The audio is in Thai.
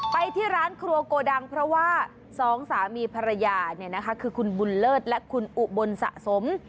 ไปที่ร้านครัวโกดังเพราะว่าสองสามีภรรยาเนี่ยนะคะคือคุณบุญเลิศและคุณอุบลสะสม